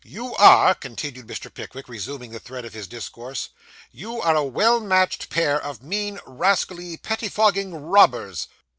'You are,' continued Mr. Pickwick, resuming the thread of his discourse 'you are a well matched pair of mean, rascally, pettifogging robbers.